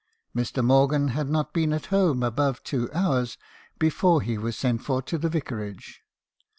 "Mr. Morgan had not been at home above two hours be fore he was sent for to the Vicarage.